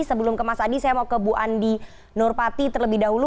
sebelum ke mas adi saya mau ke bu andi nurpati terlebih dahulu